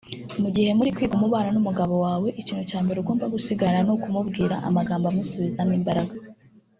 Mu gihe muri kwiga umubano n’umugabo wawe ikintu cya mbere ugomba gusigarana ni ukumubwira amagambo amusubizamo imbaraga